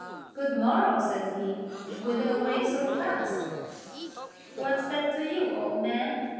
"Good morrow," says he. "Whither away so fast?" "What's that to you, old man